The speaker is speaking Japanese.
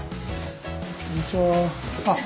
こんにちは。